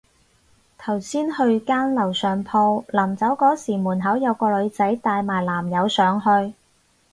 頭先去間樓上鋪，臨走嗰時門口有個女仔帶埋男友上去